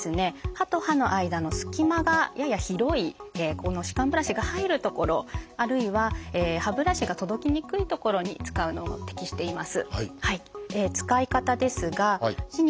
歯と歯の間のすき間がやや広い歯間ブラシが入る所あるいは歯ブラシが届きにくい所に使うのに適しています。